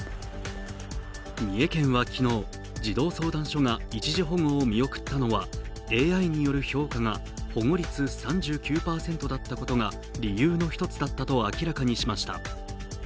三重県は昨日、児童相談所が一時保護を見送ったのは、ＡＩによる評価が保護率３９％だったことが理由の一つだったと明らかにしました。